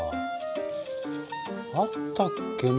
あったっけな？